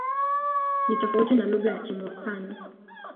Ni tofauti na lugha ya Kimur-Pano.